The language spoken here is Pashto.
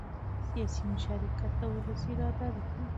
سیاسي مشارکت د ولس اراده ده